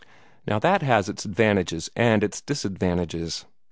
Now that has its advantages and its disadvantages.